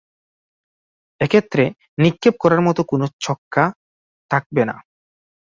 এক্ষেত্রে নিক্ষেপ করার মতো কোনো ছক্কা থাকবে না।